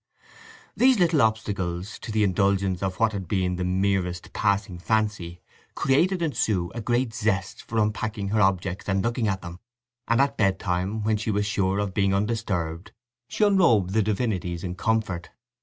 These little obstacles to the indulgence of what had been the merest passing fancy created in Sue a great zest for unpacking her objects and looking at them; and at bedtime, when she was sure of being undisturbed, she unrobed the divinities in comfort.